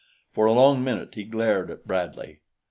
For a long minute he glared at Bradley.